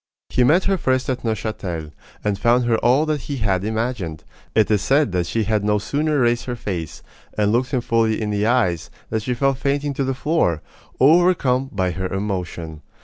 He met her first at Neuchatel, and found her all that he had imagined. It is said that she had no sooner raised her face, and looked him fully in the eyes, than she fell fainting to the floor, overcome by her emotion.